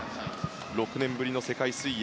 ６年ぶりの世界水泳。